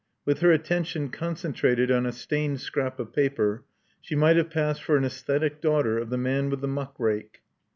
With her attention concentrated on a stained scrap of paper, she might have passed for an aesthetic daughter of the Man with the Muck Rake.